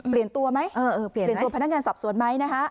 เปลี่ยนตัวไหมเปลี่ยนตัวพนักงานสอบสวนไหมนะคะ